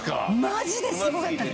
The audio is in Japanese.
マジですごかったの！